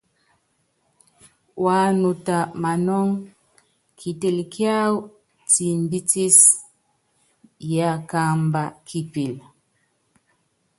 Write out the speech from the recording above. Wanuta manɔ́ŋ, kitel kiáwɔ timbitis yakamba kipil.